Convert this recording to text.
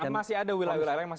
masih ada wilayah wilayah yang masih